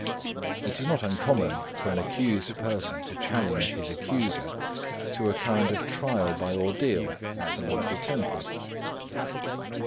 It is not uncommon for an accused person to challenge his accuser to a kind of trial by ordeal, at the local temple.